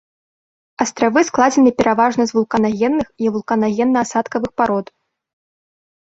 Астравы складзены пераважна з вулканагенных і вулканагенна-асадкавых парод.